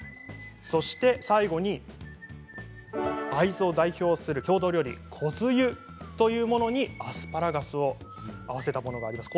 最後に会津を代表する郷土料理、こづゆというものにアスパラガスを合わせたものがあります。